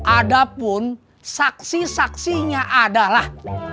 ada pun saksi saksinya adalah